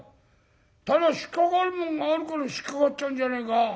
ただ引っ掛かるもんがあるから引っ掛かっちゃうんじゃねえか。